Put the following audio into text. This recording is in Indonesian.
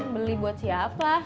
beli buat siapa